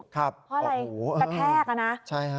เพราะอะไรแปลกนะ